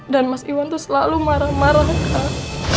dan mas iwan tuh selalu marah marah kak